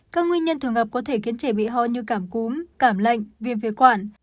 các nguyên nhân thường gặp có thể khiến trẻ bị ho như cảm cúm cảm lạnh viêm quản